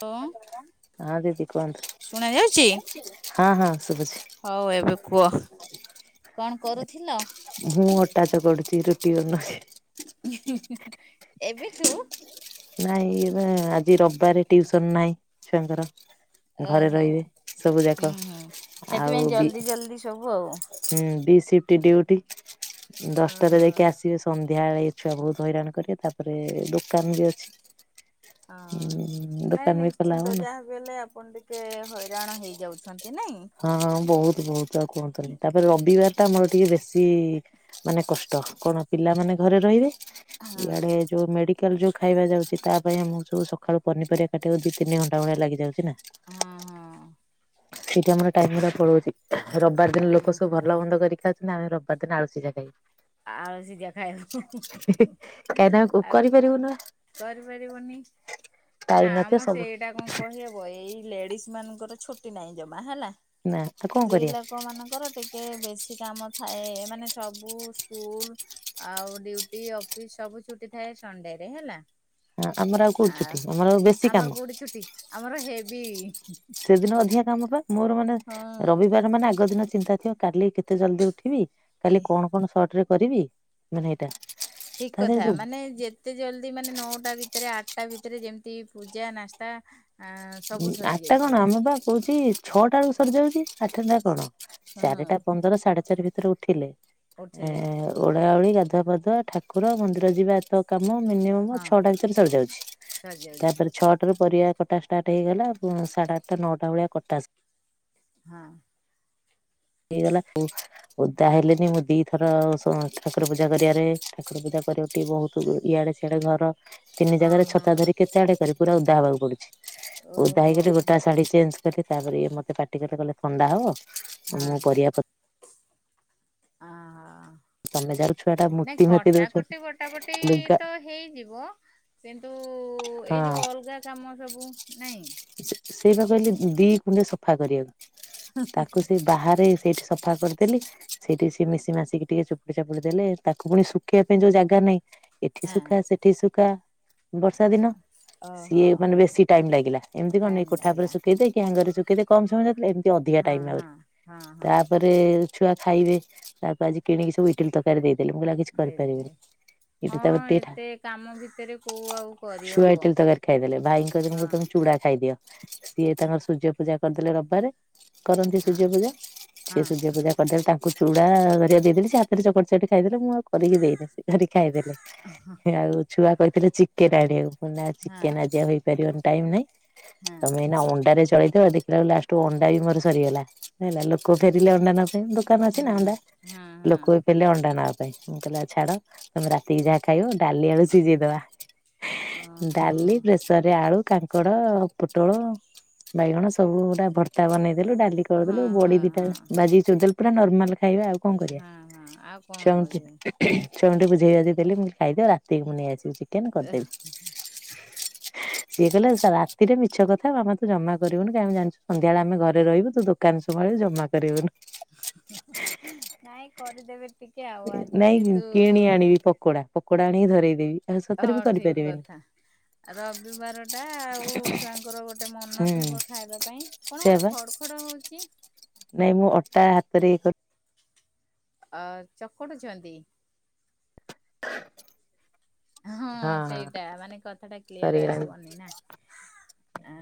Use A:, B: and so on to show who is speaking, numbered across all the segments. A: Hello ଶୁଣା ଯାଉଛି [inaudible]
B: [inaudible]
A: [inaudible]
B: [inaudible] ରହିବେ। ସବୁ ଯାକ ଆଉ ବି
A: [inaudible] ଓହୋ
B: [inaudible] [inaudible] ଉଁ ଦୋକାନ ବି ଖୋଲା ହବ ନା।
A: [inaudible] [inaudible]
B: [inaudible]
A: ହଁ
B: [inaudible] [inaudible]
A: ହଁ ହଁ।
B: ସେଇଠି ଆମର ଟାଇମିଗୁରା ପଳଉଛି ରବିବାର ଦିନ
A: ହଁ
B: ଲୋକ ସବୁ ଭଲ ମନ୍ଦ କରି ଖାଉଛନ୍ତି ଆମେ ରବିବାର ଦିନ ଆଳୁ ସିଝା ଖାଇବୁ।
A: ଆଳୁ ସିଝା ଖାଇବୁ ଆଉ।
B: ଫେରିିବୁନୁ ନା ଆ?
A: କରିପାରିବନି ନା
B: ନଥିବ
A: ମ
B: ସବୁ
A: ସେଇଟା କଣ କହି ହେବ ଏଇ ଲେଡିଜ ମାନଙ୍କର ଛୁଟି ନାହିଁ ଜମା ହେଲା
B: ନା ଆଉ କଣ
A: ସ୍ତ୍ରୀ
B: କରିବା
A: ଲୋକ ମାନଙ୍କର ଟିକେ ଟିକେ ବେଶୀ କାମ ଥାଏ ମାନେ ସବୁ ସ୍କୁଲୁ। ଆଉ ଡ୍ୟୁଟି ଅଫିସ ସବୁ ଛୁଟି ଥାଏ ସଣ୍ଡେ ରେ ହେଲା।
B: ଆମର କୋଉଠି
A: ଆଉ
B: ଛୁଟି ଆମର ଆଉ ବେଶୀ କାମ
A: ଆମର କୋଉଠି ଛୁଟି ଆମର ହେବି।
B: ସେଦିନ ଅଧିକା କାମ ପା ମୋର ମାନେ
A: ହଁ
B: ରବିବାର ମାନେ ଆଗ ଦିନ ଚିନ୍ତା ଥିବ। କାଲି କେତେ ଜଲ୍ ଦି ଉଠିବି
A: କେ
B: କାଲି କଣ କଣ ସର୍ଟ ରେ କରିବି ମାନେ ଏଇଟା।
A: ଠିକ
B: ତା ଦେହରେ
A: କଥା
B: ଯୋଉ
A: ମାନେ ଯେ ଏତେ ଜଲ୍ ଦି ମାନେ ନଅଟା ଭିତରେ ଆଠଟା ଭିତରେ ଯେମିତି ପୂଜା ନାସ୍ତା। ଆ ସବୁ ସରି
B: ଆଟା କଣ
A: ଯାଇଥିବ
B: ନମିତା କହୁଚି। ଛଅଟା ବେଳକୁ ସରିଯାଉଛି ଆଠଟା କଣ
A: ହୁଁ
B: ଚାରିଟା ପନ୍ଦର ସାଢ଼େ ଚାରି ଭିତରେ ଉଠିଲେ। ଏ
A: ଉଠିଲେ
B: ଓଳା ଓଳି ଗାଧୁଆ ପାଧୁଆ ଠାକୁର ମନ୍ଦିର ଯିବା ଏ ତ କାମ ମିନିମମ
A: ହଁ
B: ଛଅଟା ଭିତରେ ସରିଯାଉଛି
A: ସରିଯାଉଛି
B: ତାପରେ ଛଅଟାରୁ ପରିବା କଟା। ଷ୍ଟାର୍ଟ ହେଇଗଲା ଉଁ ସାଢେ ଆଠଟା ନଅଟା ଭଳିଆ କଟାସେସ୍।
A: ହଁ।
B: ହେଇଗଲା ଖୁବ୍। ଓଦା ହେଲେନି ମୁଁ ଦିଥର ଠାକୁର ପୂଜା କରିବାରେ ଠାକୁର ପୂଜା କରିବା ଟିକେ ବହୁତ ତୁ ଇଆଡେ ସିଆଡେ ଘର ତିନି
A: ଓ
B: ଜାଗାରେ
A: ହଁ
B: ଛତା ଧରି କେତେ ଆଡେ କରିଵୁ ପୁରା ଉଦା ହବାକୁ ପଡ଼ୁଚି। ଓଦା
A: ଓହୋ
B: ହେଇକିରି ଗୋଟା ଶାଢୀ ଚେଞ୍ଜେ କଲି। ତାପରେ ଇଏ ମତେ ପାଟି କଲେ ଥଣ୍ଡା ହବ
A: ହଁ
B: ମୁଁ ପରିଵା ପ
A: ହ ହଁ।
B: ତମେ ଯାର ଛୁଆ ଟା
A: ନାଇଁ
B: ମୂର୍ତ୍ତି ମାତି
A: କଟାକଟି
B: ଦଉଛନ୍ତି
A: ବଟାପଟି
B: ଲୁଗା
A: ତ ହେଇଯିବ। କିନ୍ତୁ ଏଇ
B: ହଁ
A: ଯୋଉ ଅଲଗା କାମ ସବୁ ନାଇଁ।
B: ସେଇ ପା କହିଲି ଦି କୁଣ୍ଡୁ ସଫା କରିବାକୁ ତାକୁ ସେଇ ବାହାରେ ସେଇଠି ସ ସଫା କରିଦେଲି। ସେଇଠି ସେି ମିଶି ମାସିକି ଟିକେ ଚିପୁଡ଼ି ଚାପୁଡି ଦେଲେ ତାକୁ ପୁଣି ଶୁଖେଇବା ପାଇଁ ଯୋଉ ଜାଗା ନାଇଁ। ଏଠି
A: ହଁ।
B: ଶୁଖା ସେଠି ଶୁକା ବର୍ଷା ଦିନ
A: ଓହୋ
B: ସିଏ ମାନେ ବେଶୀ ଟାଇମି ଲାଗିଲା। ଏମିତି କଣ
A: ଟାଇମ୍
B: କୋଠା ଉପରେ
A: ଲାଗିଲା
B: ଶୁଖେଇ ଦେ କି ହାଙ୍ଗର ଶୁଖେଇଦେ କମ ସମୟ ଯାଉଥିଲା ଏମିତି ଅଧିକା
A: ହଁ
B: ଟାଇମି
A: ହଁ
B: ଲାଗୁଚି
A: ହଁ ହଁ।
B: ତାପରେ ରେ ଛୁଆ ଖାଇବେ ତାକୁ ଆଜି କିଣିକି ସବୁ ଇଟିଲି ତରକାରୀ ଦେଇଦେଲି ମୁଁ କହିଲି ଆଉ କିଛି
A: ଦେଇଦେଲେ
B: କରିପାରିବିନେହିଁ। ଏଇଠି ତାପରେ
A: ହଁ
B: ଟ୍ରେଟା
A: ଏତେ କାମ ଭିତରେ କୋଉ ଆଉ
B: ଛୁଆ
A: କରିହବ ହଁ।
B: ଇଟିଲି ତରକାରି ଖାଇଦେଲେ ଭାଇଙ୍କି କହିଦେଲି
A: ହଁ
B: ମୁ ତମେ ଚୁଡା ଖାଇଦିଅ ସିଏ ତାଙ୍କର ସୂର୍ଯ୍ୟ ପୂଜା କରିଦେଲେ ରବିବାରେ। କରନ୍ତି
A: ହଁ
B: ସୂର୍ଯ୍ୟ ପୂଜା ସେ ସୂର୍ଯ୍ୟ
A: ହଁ
B: ପୂଜା କଣକରିଵି ତାଙ୍କୁ ଚୁଡା କରିବା କୁଦେଇଦେଲି ସେ ହାତରେ ଚକଡି ଚକଡି ଖାଇଦଲେ ମୁଁଆଉ କ କରିକି ଦେଇଦିଏ କରିକି ଖାଇଦେଲେ ସେ ଆଉ ଛୁଆ କହିଥିଲେ ଚିକେନେ ଆଣିବାକୁ। ନା ଚିକେନେ ଆଜି ହେଇପାରିବନି ଟାଇମି ନାହିଁ
A: ହଁ
B: ତମେ ଏନା ଅଣ୍ଡାରେ ଚଳେଇଦିଅ ଦେଖିଲା ଵେଳକୁ ଲାଷ୍ଟେ। ତେ ଅଣ୍ଡା ଵି ଘରୁ ସରିଗଲା ହେଲା ଲୋକ ଫେରିିଲେ ଅଣ୍ଡା ନଥାଇ ଦେ। ଦୋକାନ ରେ ଅଛି
A: ହଁ
B: ନା ଅଣ୍ଡା
A: ହଁ ହଁ।
B: ଲୋକୋ ଵି ଫେରିଲେ ଅଣ୍ଡା ନାହିଁ। ମୁଁ କହିଲି ଆଉ ଛାଡ ତମେ ରାତିକି ଯାହା ଖାଇବ ଡାଲି ଆଳୁ ସିଜେଇଦବା।
A: ଓହୋ
B: ଡାଲି ପ୍ରେସର ରେ ଆଳୁ। କାଙ୍କଡ ପୋଟଳ ବାଇଗଣ ସବୁ ଗୁଡା ଭର୍ ତା ବନେଇଦଗଲି ଡାଲି
A: ହଁ
B: କରିଦେଲି ବଡି
A: ହଁ
B: ଦିଟା
A: ହଁ
B: ଭାଜି କି ଚୁରିଦେଲି ପୁରା ନର୍ମାଲ ଖାଇବା ଆଉ। କଣ କରିବା
A: ହଁ ହଁ ଆଉ କଣ
B: ଛୁଆଁଙ୍କୁ
A: କରିବେ?
B: କି ଛୁଆଙ୍କୁ ଟିକେ ବୁଝେଇ ବାଜେ ଦେଲେ ମୁଁ ଖାଇଦିଅ ରାତିକି ମୁଁ ନେଇ ଆସିବି ଚି
A: ଏହ
B: ଦେଲେ ରାତିରେ ମିଛ କଥା ଆମେ ତ ଜମା କରିବୁନୁ କା ଆମେ ଜାଣିଛୁ ସନ୍ଧ୍ୟାବେଳେ ଆମେ ଘରେ ରହିବୁ ତୁ ଦୋ କାନ ସୁଭା ଜାଉଛି ଜମା କରିବୁନୁ।
A: [unintelligible] ନାଇଁ କରିଦେବେ। ଟିକେ ଆଉ ଆଜି
B: ନାଇଁ କିଣି
A: ଯେହେତୁ
B: ଆଣିବି ପକଡା ପକଡା ଆଣିକି ଧରେଇଦେବି। ଆଉ
A: ହଁ
B: ସତରେ ବି
A: ଠିକି
B: କରିପାରିବେନି।
A: କଥା। ରବିବାର ଟା ଆଉ ଛୁଆଙ୍କର ଗୋଟେ ମନ
B: ହୁଁ
A: ଥିବ ଖାଇବା ପାଇଁ। କଣ
B: ସେଇଆ
A: ଗୋଟେ
B: ପା
A: ଖଡ ଖଡ ହଉଚି।
B: ନାଇଁ ମୁଁ ଅଟା ହାତରେ ଇଏ କ
A: ଅ ଚକୁଡୁଚନ୍ତି।
B: [unintelligible]
A: ହଁ ସେଇଟା ମାନେ କଥାଟା କ୍ଲିୟର
B: ସରିଗଲାଣି।
A: ଆସିବନି ନା। ଆ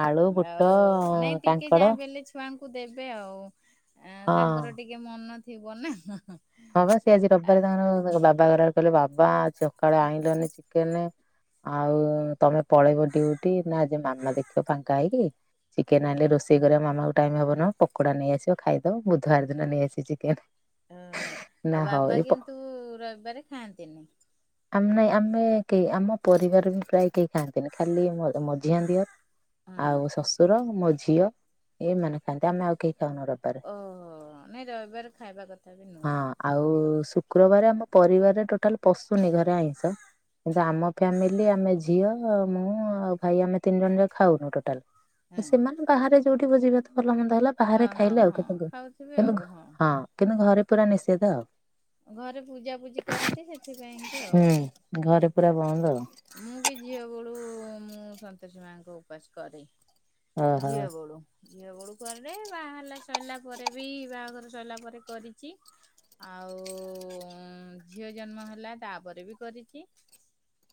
B: ଆଳୁ ବୁଟ
A: ଆଉ ନାଇଁ ଟିକେ
B: କାଙ୍କଡ
A: ଯାହା ବି ହେଲେ ଯେ ଛୁଆଙ୍କୁ ଦେବେ ଆଉ
B: ହଁ।
A: ତାଙ୍କର ଏଁ ଟିକେ ମନ ଥିବ ନା ହାଁ ହାଁ।
B: ହଁ ବା ସିଏ ଆଜି ରବିବାରେ ତାଙ୍କର ବାବା [unintelligible] କହିଲେ ବାବା ସକାଳୁ ଆଇଁଲନି ଚିକେନେ। ଆଉ ତମେ ପଳେଇବ ଡିଉଟି ନା ଆଜି ମାମା ଦେଖିବ ଫାଙ୍କା ହେଇକି। ଚିକେନ
A: ହୁଁ
B: ଆଣିଲେ ରୋଷେଇ କରିବା ମାମା କୁ ଟାଇମି ହବନହବ ପକଡା ନେଇଆସିବ ଖାଇଦବ ବୁଧବାର ଦିନ ନେଇଆସିବ ଚିକେନେ।
A: ଉହୁଁ ଆଉ ବାବା କିନ୍ତୁ ରବିବାରେ ଖାଆନ୍ତିନି।
B: ଆମେ ଆମେ କେହି ଆମେ ପରିବାର ବି ପ୍ରାୟ କେହି ଖାଆନ୍ତିନି ଖାଲି ମ ମଝିଆ ଦିଅର।
A: ହଁ
B: ଆଉ ଶ୍ୱଶୁର ମୋ ଝିଅ ଏଇମାନେ ଖାଆନ୍ତି ଆମେ ଆଉ କେହି ଖାଉନୁ ରବିବାରେ।
A: ଉହୁଁ ନାଇଁ ରବିବାରେ ଖାଇବା କଥା ବି ନୁହୁଁ।
B: ହଁ ଆଉ ଶୁକ୍ରବାରେ ଆମ ପରିବାରରେ ଟୋଟାଲ ପଶୁନି ଘରେ ଆଇଁଷ। କିନ୍ତୁ ଆମ ଫ୍ୟାମିଲି ଆମେ ଝିଅ ମୁଁ ଆଉ ଭାଇ ଆମେ ତିନି ଜଣ ଯାକ ଖାଉନୁ ଟୋଟାଲି।
A: ହଁ
B: ସେମାନେ ବାହାରେ ଯୋଉଠି ଭୋଜି ଭାତ ଭଲ ମନ୍ଦ ହେଲା
A: ହଁ
B: ବାହାରେ
A: ହଁ
B: ଖାଇଲେ ଆଉ
A: ହଁ
B: [unintelligible]
A: ଖାଉଥିବେ
B: କିନ୍ତୁ
A: ଆଉ
B: ଘ ହଁ। କିନ୍ତୁ ଘରେ ପୁରା ନିଷେଧ ଆଉ।
A: ଘରେ ପୂଜାପୂଜି କରନ୍ତି ସେଥିପାଇଁ କି ଆଉ।
B: ହୁଁ ଘରେ ପୁରା ବନ୍ଦ ଆଉ।
A: ମୁଁ ବି ଝିଅ ବୋଳୁ ମୁଁ ସନ୍ତୋଷୀ ମାଙ୍କ ଉପାସ କରେ।
B: ଓହୋ
A: ଝିଅ ବେଳୁ। ଝିଅ ବେଳୁ କରେ। ବାହା ହେଲା ସଇଲା ପରେ ବି ବାହାଘର ସଇଲା ପରେ କରିଚି। ଆଉ ଉଁ ଝିଅ ଜନ୍ମ ହେଲା ତାପରେ ବି କରିଛି।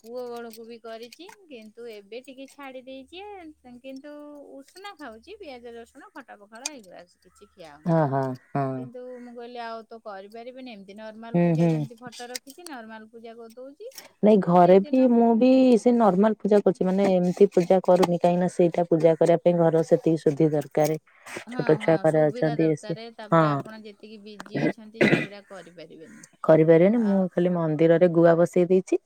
A: ପୁଅ ବେଳକୁ ବି କରିଚି। କିନ୍ତୁ ଏବେ ଟିକେ ଛାଡି ଦେଇଛି। କିନ୍ତୁ ଉଷନା ଖାଉଛି ପିଆଜ, ରସୁଣ, ଖଟା, ପଖାଳ ଏଇ ଗୁରା ସ କିଛି ଖିଆ ହଉନି।
B: ହଁ ହଁ ହଁ
A: କିନ୍ତୁ ମୁଁ କହିଲି ଆଉ ତ କରିପାରିବିନି ଏମ ନର୍ମାଲ
B: ହୁଁ
A: ପୂଜା
B: ହୁଁ।
A: ଯେମିତି ଫଟୋ ରଖିଛି। ନର୍ମାଲ ପୂଜା କରିଦଉଛି।
B: ନାଇଁ
A: ଆଉ
B: ଘରେ ବି
A: ସେଇଦିନ
B: ମୁଁ ବି ସେ ନର୍ମାଲ ପୂଜା କରୁଛି ମାନେ ଏମିତି ପୂଜା କରୁନି କାହିଁକିନା ସେଇଟା ପୂଜା କରିବା ଏ ଘର ସେତିକି ସୁଧି ଦରକାରେ।
A: ହଁ ହଁ
B: ଛୋଟଛୁଆ ଘରେ
A: ସୁବିଧା
B: ଅଛନ୍ତି ଇଏ ସିଏ
A: ଦରକାର ତାପରେ ଆପଣ ଯେତିକି ବିଜି ଅଛନ୍ତି
B: ହଁ।
A: ସେଇଗୁଡା କରିପାରିବେନି।
B: କରିପାରିବେନି ମୁଁ
A: ଆଉ
B: ଖାଲି ମନ୍ଦିରରେ ଗୁଆ ବସେଇ ଦେଇଛି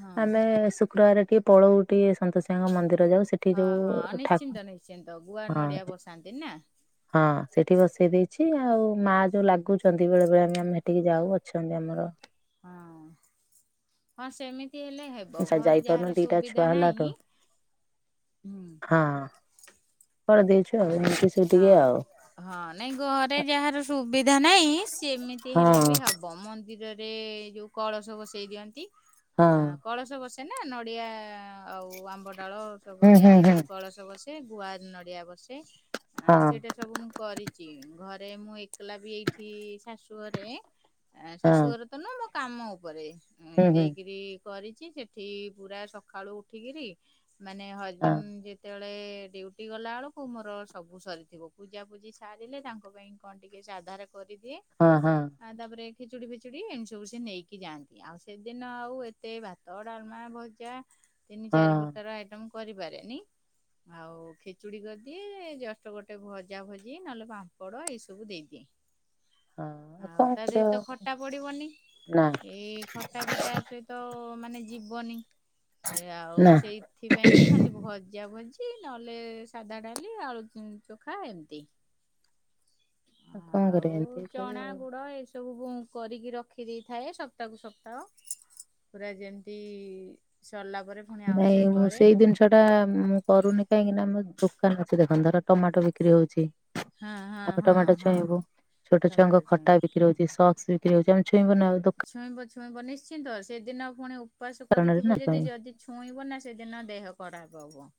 A: ହଁ
B: ଆମେ ସୁ ଶୁକ୍ରବାରେ ଟିକେ ପଳଉ ଟିକି ସନ୍ତୋସି ମାଆ ଙ୍କ ମନ୍ଦିର ଯାଉ ସ
A: ହଁ ହଁ ନିଶ୍ଚିନ୍ତ ନିଶ୍ଚିନ୍ତ ଗୁଆ ନଡିଆ
B: ହଁ।
A: ବସାନ୍ତି ନା।
B: ହଁ ସେଠି ବସେଇ ଦେଇଛି ଆଉ ମାଆ ଯୋଉ ଲାଗୁଛନ୍ତି ବେଳେ ବେଳେ ଆମେ ଆମେ ସେଠିକି ଯାଉ ହେ ଛନ୍ତି ଆମର
A: ହଁ ହଁ ସେମିତି ହେଲେ ହେ ବ
B: ଯା
A: ଘରେ
B: ଯାଇପାରୁନୁ
A: ଯାହାର
B: ଦିଟା ଛୁଆ
A: ସୁବିଧା
B: ହେଲାଠୁ
A: ନାଇଁ ହୁଁ।
B: ହଁ। କରିଦେଇଛୁ ଆଉ ଏମିତି ସେ
A: ହଁ ହଁ ନାଇଁ ଘରେ ଯାହାର ସୁବିଧା ନାହିଁ ସେମିତି
B: ହଁ
A: ହେଲେ ବି ହ ବ ମନ୍ଦିରରେ ଯୋଉ କଳସ ବସେଇ ଦିଅନ୍ତି।
B: ହଁ।
A: ଆଁ କଳସ ବସେନା ନଡ଼ିଆ ଆଉ ଆମ୍ବ ଡାଳ ସବୁ
B: ହୁଁ
A: ଦିଆ
B: ହୁଁ ହୁଁ।
A: ହେଇକିରି କଳସ ବସେ। ସେ ଗୁଆ ନଡିଆ ବସେ ଆ
B: ହଁ
A: ସେଇଟା ସ ସବୁ ମୁଁ କରିଛି। ଘରେ ମୁଁ ଏକଲା ବି ଏଇଠି ଶାଶୁ ଘରେ ଆ
B: ହଁ
A: ଶାଶୁଘର ତ ନୁହଁ ମୋ କାମ ଉପରେ ଉଁ
B: ହୁଁ ହୁଁ
A: ଦେଇକିରି କରିଛି ସେଠି ପୁରା ସକାଳୁ ଉଠିକିରି ମାନେ
B: ହଁ
A: ହଜବେଣ୍ଟ୍ ଯେତେବେ ଏ ଡ୍ୟୁଟି ଗଲା ବେଳକୁ ମୋର ସ ସବୁ ସରିଥିବ। ପୂଜାପୂଜି ସାରିଲେ ତାଙ୍କ ପାଇଁ କଣ ଟିକେ ସାଧାରେ କରିଦିଏ
B: ହଁ ହଁ।
A: ଆଉ ତାପରେ ଖେଚୁଡି ଫିଚୁଡି ଏମତି ସବୁ ସେ ନେଇକି ଯାଆନ୍ତି ଆଉ ସେଦିନ ଆଉ ଏତେ ଭାତ ତ ଡାଲମା ଭଜା ତିନି ଚାରି
B: ହଁ।
A: ପ୍ରକାର ଆଇଟମ କରିପାରେନି। ଆଉ ଖେଚୁଡି କରିଦିଏ ଜଷ୍ଟ ଗୋଟେ ଭଜା ଭଜି ନହେଲେ ପାମ୍ପଡ ଏଇ ସବୁ ଦେଇଦିଏ।
B: ହଁ
A: ଆଉ
B: କଣ
A: ତା ଦେହରେ
B: କରିବ
A: ତ ଖଟା ପଡିବନି
B: ନା
A: ଏଇ ଖ ତଥାପି ତା ସହିତ ମାନେ ଯିବନି। ଏ ଆଉ
B: ନା
A: ସେଇଥିପାଇଁଙ୍କି ଖାଲି ଭଜା ଭଜି ନହେଲେ ସାଧା ଡାଲି ଆଳୁ ହୁଁ ଚୋଖା ଏମତି।
B: କଣ କରିବ ଏମିତି
A: ଆଉ
B: କରିବ
A: ଚଣା
B: ଆଉ।
A: ଗୁଡ ଏଇସ ସବୁବୁକରିକି ରଖିଦେଇଥାଏ। ସପ୍ତା କୁ ସପ୍ତାହ। ପୁରା ଯେମିତି ସରିଲା ପରେ ପୁଣି
B: ନାଇଁ
A: ଆଉଥରେ
B: ମୁଁ
A: କରେ
B: ସେଇଦିନସ ସେଟା ମୁଁ କରୁନି କାହିଁକିନା ଆମ ଦୋକାନ ଅଛି। ଦେଖନ୍ତୁ ଧର ଟମାଟୋ ବିକ୍ରି ହଉଛି।
A: ହଁ ହଁ
B: ଆପେ
A: ହଁ
B: ଟମାଟୋ
A: ହଁ
B: ଛୁଇଁବୁ ଛୋଟ ଛୁଆଙ୍କ
A: ଟମାଟୋ ଛୁଇଁବ।
B: ଖଟା ବିକ୍ରି ହଉଛି ସସ୍ ବିକ୍ରି ହଉଛି ଆମ
A: ଛୁଇଁବ ଛୁଇଁବ ନିଶ୍ଚିନ୍ତ ସେଦିନ ପୁଣି ଉପାସ
B: ଦୋକାନରେ ନା
A: କରିଥିବ
B: ପାଇଁ
A: ଯଦି ଯଦି ଛୁଇଁବନା ସେଦିନ ଦେହ ଖରାପ ହବ।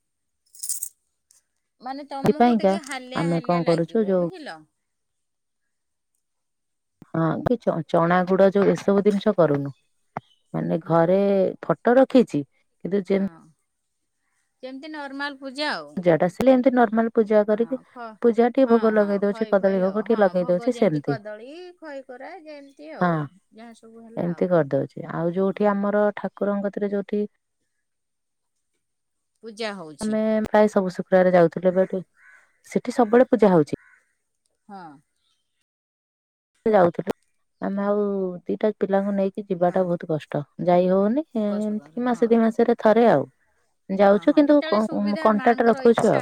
A: ମାନେ ତମକୁ
B: ସେଥିପାଇଁକା
A: ଟିକେ ହାଲିଆ
B: ଆମେ କଣ
A: ହାଲିଆ
B: କରୁଛୁ
A: ଲାଗିବ
B: ଯୋଉ
A: ବୁଝିଲ।
B: ହଁ କି ଚ ଚଣା ଗୁଡ ଯୋଉ ଏସବୁ ଜିନିଷ କରୁନୁ ମାନେ
A: ନା
B: ଘରେ ଫ ଫଟ ରଖିଛି। କିନ୍ତୁ
A: ହଁ
B: ଯେମିତି
A: ଯେମିତି ନର୍ମାଲ ପୂଜା ଆଉ।
B: ପୂଜା ଟା ଆସିଲେ ଏମିତି ନର୍ମାଲ ପୂଜା
A: ହଁ
B: କରିକି
A: ଖ
B: ପୂଜା ଟିକେ
A: ହଁ
B: ଭୋଗ
A: ହଁ
B: ଲଗେଇ ଦଉଛି
A: ଖଇ ଫଇ
B: କଦଳୀ
A: ଆଉ
B: ଭୋଗ ଟିକେ
A: ହଁ
B: ଲଗେଇ
A: ଭୋଗ
B: ଦଉଛି
A: ଯେମିତି
B: ସେମ ତି
A: କଦଳୀ ଖଇ କୋରା ଯେମିତି
B: ହଁ
A: ଆଉ। ଯାହା ସବୁ ହେଲା
B: ଏମିତି
A: ଆଉ
B: କରିଦଉଛି ଆଉ ଯୋଉଠି ଆମର ଠା କୁରଙ୍କ କତିରେ ଯୋଉଠି
A: ପୂଜା ହଉଛି
B: ଆମେ ପ୍ରାୟ ସବୁ ଶୁକ୍ରବାରେ ଯାଉଥିଲୁ ଏବେ ଏଠି ସେଠି ସବୁବେଳେ ପୂଜା ହଉଛି।
A: ହଁ।
B: ଯାଉଥିଲୁ ଆମେ ଆଉ ଦିଟା ପିଲାଙ୍କୁ ନେଇକି
A: ହଁ।
B: ଯିବାଟା ବହୁତ କଷ୍ଟ ଯାଇ ହଉନି।
A: କଷ୍ଟକର
B: ଏମିତି
A: ହଁ
B: ମାସେ ଦି ମାସ ରେ ଥରେ ଆଉ।
A: ହଁ
B: ଯାଉଛୁ
A: ହଁ
B: କିନ୍ତୁ
A: ଯେତେବେଳେ
B: କ ଉଁ
A: ସୁବିଧା
B: କଣ୍ଟାକ୍ଟ
A: ମାଆଙ୍କର
B: ରଖୁଛୁ ଆଉ।
A: ଇଚ୍ଛା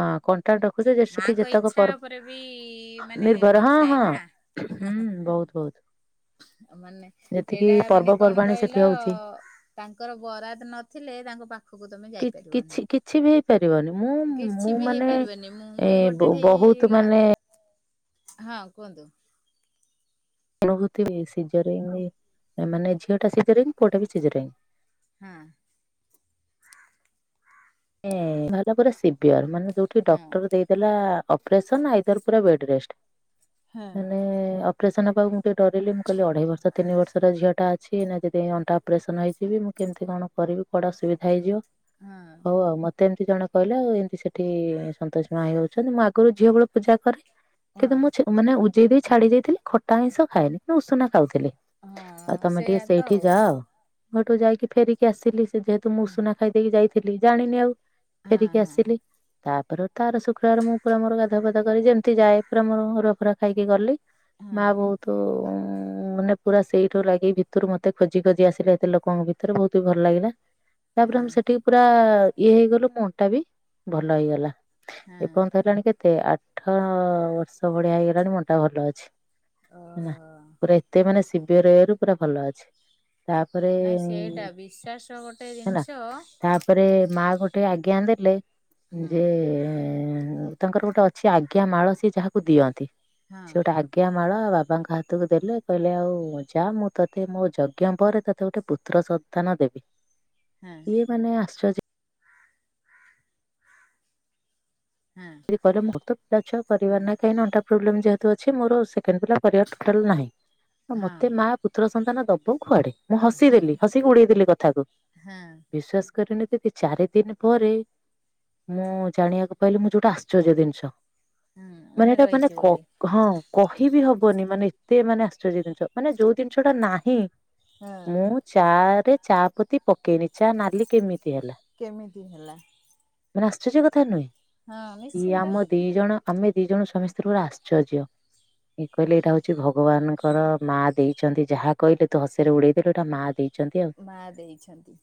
B: ହଁ କଣ୍ଟାକ୍ଟ ରଖୁଛ ଯେ ସେଠି
A: ମାଙ୍କ
B: ଯେତେକ
A: ଇଚ୍ଛା
B: ପର
A: ଉପରେ ବି ମାନେ
B: ନିର୍ଭର ହଁ
A: ଥାଏ
B: ହଁ।
A: ନା
B: ହୁଁ ବହୁତ ବହୁତ।
A: ମାନେ
B: ଯେତିକି
A: ସେଇଟା ମାନେ କଣ
B: ପର୍ବପର୍ବାଣୀ ସେଠି
A: କହିଲ
B: ହଉଛି।
A: ତାଙ୍କର ବରାଦ ନଥିଲେ ତାଙ୍କ ପାଖ ପାଖକୁ ତମେ
B: କି କିଛି
A: ଯାଇପାରିବାନି
B: କିଛି ବି ହେଇପାରିବନି ମୁଁ ମୁଁ
A: କିଛି ବି
B: ମାନେ
A: ହେଇପାରିବନି ମୁଁ
B: ଏ
A: ବି ଗୋ
B: ବହୁତ
A: କେତେଠେଇ ଲା
B: ମାନେ
A: ହଁ କୁହନ୍ତୁ?
B: ଅନୁଭୂତି ବି ସିଝରିଂ ମାନେ ଝିଅ ଟା ସିଝରିଙ୍ଗ ପୁଅଟା ବି ସିଜରିଙ୍ଗ।
A: ହଁ।
B: ଏଁ ବାହାରିଲା ପୁରା ସିିବିଅର ମାନେ ଯୋଉଠି
A: ହଁ।
B: ଡକ୍ଟର ଦେଇ ଲା ଅପରେସନ ଆଇଦର ପୁରା ବେଡ ରେଷ୍ଟ
A: ହଁ।
B: ମାନେ ଅପରେସନ ହେବାକୁ ଡରେଇଲେ ମୁଁ କହିଲି ଅଢ଼େଇ ବର୍ଷର ତିନି ବର୍ଷର ଝିଅଟା ଅଛି ଏଇନା ଯଦି ଅଣ୍ଟା ଅପରେସନ୍ ହେଇଯିବି ମୁଁ କେମିତି କଣ କରିବି କୁଆଡେ ଅସୁବିଧା ହେଇଯିବ।
A: ହଁ
B: ଉ ମତେ ଏମିତି ଜଣେ କହିଲା ଏମତି ସେଠି ସନ୍ତୋଷି ମା ହେଇଯାଉଛନ୍ତି ମୁଁ ଆଗରୁ ଝିଅ ବେଳ ପୂଜା କରେ। କିନ୍ତୁ
A: ହଁ
B: ମୁଁ ମାନେ ଉଜେଇ ଦେଇ ଛାଡି ଯାଇଥିଲି ଖଟା ଆଇଁଷ ଖାଏନି ଉଷୁନା ଖାଉଥିଲି। ଆଉ
A: ହଁ
B: ତମେ ଟିକେ
A: ସେଇଆ ତ
B: ସେଇଠି ଯାଅ। ମୁଁ ହେଠୁ ଯାଇକି ଫେରିକି ଆସିଲି ସେ ଯେହେତୁ ମୁଁଉଷୁନା ଖାଇଦେଇକି ଯାଇଥିଲି ଜାଣିନି ଆଉ।
A: ଆଉ
B: ଫେରିକି
A: ହଁ
B: ଆସିଲି। ତାପରେ ତ ଆର ଶୁକ୍ରବାର ମୁଁପୁରା ମୋର ଗାଧୁଆ ପାଧୁଆ କରି ଯେମିତି ଯାଏ ପୁରା ମୋର ଅରୁଆ ଫରୁଆ ଖାଇକି ଗଲି। ମା
A: ହଁ।
B: ବହୁତ ନେ ପୁରା ସେଇଠୁ ଲାଗି ଭିତରୁ ମତେ ଖୋଜି ଖୋଜି ଆସିଲେ ଏତେ ଲୋକଙ୍କ ଭିତରେ ବହୁତ ବି ଭଲ ଲାଗିଲା। ତାପରେ
A: ହଁ
B: ଆମେ ସେଠିକି ପୁରା ଇଏ ହେଇଗଲୁ ମୋ ଅଣ୍ଟା ବି ଭଲ ହେଇଗଲା।
A: ହଁ ହଁ
B: ଏପର୍ଯ୍ୟନ୍ତ ହେଲାଣି କେତେ ଆଠ ବର୍ଷ ଭଳିଆ ହେଇଗଲାଣି ମୋ ଅଣ୍ଟା ଭଲ ଅଛି। ନା
A: ଓହୋ।
B: ପୁରା ଏତେ ମାନେ ଶିଭିଅରଇଏରୁ ପୁରା ଭଲ ଅଛି। ତାପରେ
A: ନାଇଁ ସେଟା ବିଶ୍ଵାସ ଗୋଟେ
B: ହେଲା
A: ଜିନିଷ
B: ତାପରେ ମା ଗୋଟେ ଆଜ୍ଞା ଦେଲେ
A: ହୁଁ ହଁ
B: ଯେ ତାଙ୍କର ଗୋଟେ ଅଛି ଆଜ୍ଞା ମାଳ ସିଏ ଯାହାକୁ ଦିଅନ୍ତି
A: ହଁ
B: ସିଏ ଗୋଟେ ଆଗ ଅଜ୍ଞା ମାଳ ବାବାଙ୍କ ହାତକୁ ଦେଲେ କହିଲେ ଆଉ ଯା ମୁଁ ତୋତେ ମୋ ଯଜ୍ଞ ପରେ ତୋତେ ଗୋଟେ ପୁତ୍ର ସ ନ୍ତାନ ଦେବି।
A: ହଁ
B: ଇଏ ମାନେ ଆଶ୍ଚଜ
A: ହଁ
B: ଯଦି କହିଲେ ମୋରତ ତ ପିଲାଛୁଆ କରିବାର
A: ହଁ
B: ନାହିଁ କାହିଁନା ଅଣ୍ଟା ପ୍ରୋବ୍ଲେମ ଯେହେତୁ ଅଛି ମୋର ସେକେଣ୍ଡ ପିଲା କରିବାର ଟୋଟାଲ ନାହିଁ ମୋତେ ମା ପୁତ୍ର ସନ୍ତାନ ଦବ କୁଆଡେ ମୁଁ ହସିଦେଲି ହସିକି ଉଡେଇଦଲି କଥାକୁ
A: ହଁ
B: ବିଶ୍ଵାସ କରିବେନି ଦିଦି ଚାରି ଦିନି ପରେ ମୁଁ ଜାଣିବାକୁ ପାଇଲି ମୁଁ ଯୋ ଏଟା ଆଶ୍ଚର୍ଯ୍ୟ ଜିନିଷ
A: ହୁଁ
B: ମାନେ ଏଟା ମାନେ
A: ରହିଛି
B: କ
A: ବୋଲି।
B: ହଁ କହିବି ହବନି ମାନେ ଏତେ ମାନେ ଆଶ୍ଚର୍ଯ୍ୟ ଜିନିଷ ମାନେ ଯୋଉ ଜିନିଶ ଟା ନାହିଁ
A: ହଁ
B: ମୁଁ ଚା ରେ ଚାପତି ପକେଇନି ଚା ନାଲି କେମିତି ହେଲା
A: କେମିତି ହେଲା?
B: ମାନେ ଆଶ୍ଚର୍ଯ୍ୟ କଥା ନୁହେଁ?
A: ହଁ
B: ଇଏ
A: ନିଶ୍ଚିନ୍ତ
B: ଆମ ଦି ଜଣ ଆମେ ଦି ଜଣ ସ୍ୱାମୀ ସ୍ତ୍ରୀ ପୂରା ଆଶ୍ଚର୍ଯ୍ୟ। ଇଏ କହିଲେ ଏଇଟା ହଉଛି ଭଗବାନଙ୍କର ମା ଦେଇଛନ୍ତି ଯାହା କହିଲେ ତୁ ହସରେ ଉଡେଇଦେଲୁ ଏଟା ମା ଦେଇ
A: ମା ଦେଇଛନ୍ତି।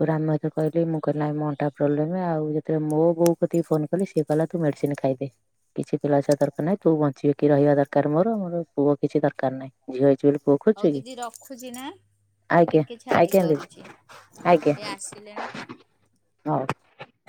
B: ତାପରେ ଆମ ଏକରେ କହିଲି ମୁଁ କହିଲି ନାଇଁ ମୋ ଅଣ୍ଟା ପ୍ରୋବ୍ଲେମ ଆଉ ଯେତେବେଳେ ମୋ ବୋଉ କତିକି ଫୋନ କଲି ସେ କହିଲା ତୁ ମେଡିସିନ ଖାଇଦେ। କିଛି ପିଲା ଛୁଆ ଦରକାର ନାହିଁ ତୁ ବଞ୍ଚି କିି ରହିବା ଦରକାର ମୋର ପୁଅ କିଛି ଦରକାର ନାହିଁ ଝିଅ ହେଇଛି ବୋଲି ପୁଅ
A: ହଉ
B: ଖୋଜୁଛୁ କି
A: ଦିଦି ରଖୁଛି ନା।
B: ଆଜ୍ଞା,
A: ଟିକେ ଛାଡି
B: ଆଜ୍ଞା
A: କରୁଛି
B: ଦିଦି ଆଜ୍ଞା
A: ଏ ଆସିଲେଣି ତ।
B: ହଉ।